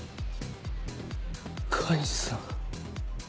甲斐さん。